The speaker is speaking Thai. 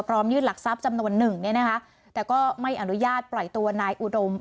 ยืดหลักทรัพย์จำนวนหนึ่งเนี่ยนะคะแต่ก็ไม่อนุญาตปล่อยตัวนายอุดม